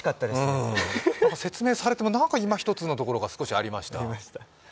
説明されても何かいまひとつなところがありました。